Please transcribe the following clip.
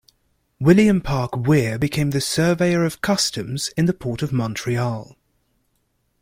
William Park Weir became Surveyor of Customs in the Port of Montreal.